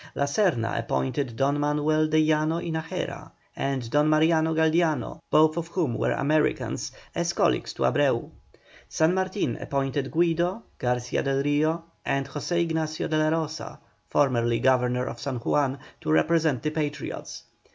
La Serna appointed Don Manuel de Llano y Najera and Don Mariano Galdiano, both of whom were Americans, as colleagues to Abreu. San Martin appointed Guido, Garcia del Rio, and José Ignacio de la Rosa, formerly Governor of San Juan, to represent the Patriots.